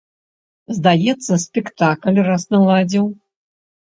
Здаецца, спектакль раз наладзіў.